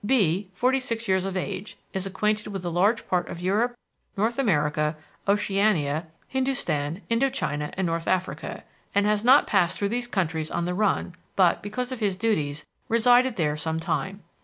B......, forty six years of age, is acquainted with a large part of Europe, North America, Oceania, Hindoostan, Indo China, and North Africa, and has not passed through these countries on the run, but, because of his duties, resided there some time.